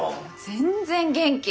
全然元気。